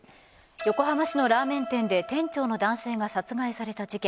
横浜市のラーメン店で店長の男性が殺害された事件。